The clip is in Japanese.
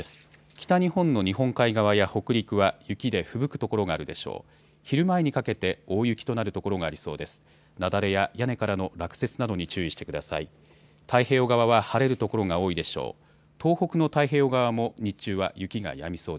北日本の日本海側や北陸は雪でふぶく所があるでしょう。